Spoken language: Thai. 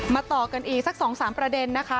มาต่อกันอีกสักสองสามประเด็นนะคะ